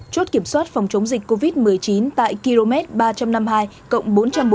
chốt kiểm soát phòng chống dịch covid một mươi chín tại km ba trăm năm mươi hai cộng bốn trăm bốn mươi